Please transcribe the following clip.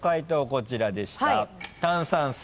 こちらでした。